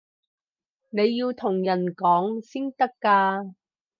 你要同人講先得㗎